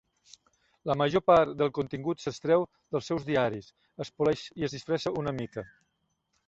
La major part del contingut s'extreu dels seus diaris, es poleix i es disfressa una mica.